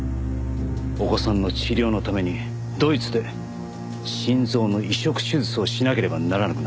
お子さんの治療のためにドイツで心臓の移植手術をしなければならなくなったんです。